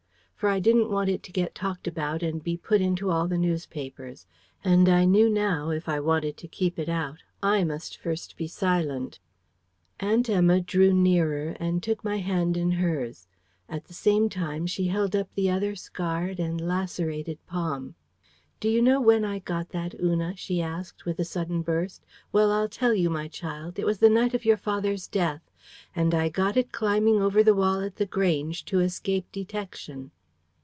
For I didn't want it to get talked about and be put into all the newspapers. And I knew now if I wanted to keep it out, I must first be silent. Aunt Emma drew nearer and took my hand in hers. At the same time, she held up the other scarred and lacerated palm. "Do you know when I got that, Una?" she asked with a sudden burst. "Well, I'll tell you, my child.... It was the night of your father's death. And I got it climbing over the wall at The Grange, to escape detection."